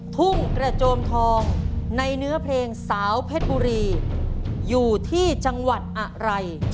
ทุ่งกระโจมทองในเนื้อเพลงสาวเพชรบุรีอยู่ที่จังหวัดอะไร